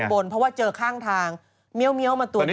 บนเพราะว่าเจอข้างทางเมียวมาตัวนี้